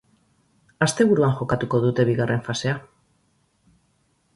Asteburuan jokatuko dute bigarren fasea.